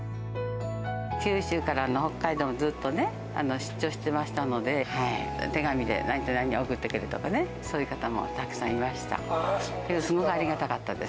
九州から北海道までずっとね、出張してましたので、手紙で何と何を送ってくれとかね、そういう方もたくさんいました。